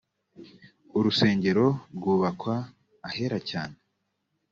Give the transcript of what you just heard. urusengero rwubakwa ahera cyane